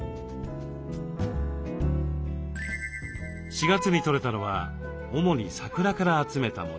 ４月にとれたのは主にサクラから集めたもの。